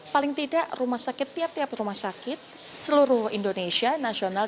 paling tidak rumah sakit tiap tiap rumah sakit seluruh indonesia nasional